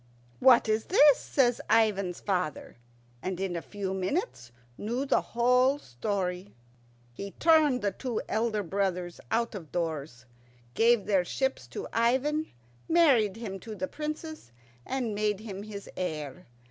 "What is this?" says Ivan's father, and in a few minutes knew the whole story. He turned the two elder brothers out of doors, gave their ships to Ivan, married him to the Princess, and made him his heir.